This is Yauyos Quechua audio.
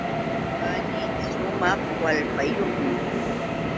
Wak qali shumaq kallpayuqmi.